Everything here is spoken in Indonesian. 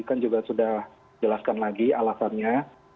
kan juga sudah jelaskan lagi alasannya